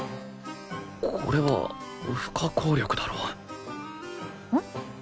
これは不可抗力だろうん？